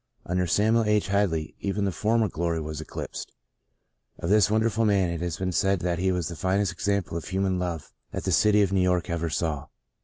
Under Samuel Ho Hadley even the former glory was eclipsed. Of this wonderful man it has been said that he was the finest exam ple of human love that the city of New York ever saw.